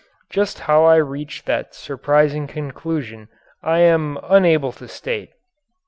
Just how I reached that surprising conclusion I am unable to state.